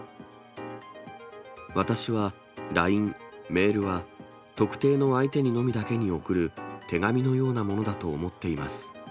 私はＬＩＮＥ、メールは特定の相手にのみだけに送る手紙のようなものだと思っています。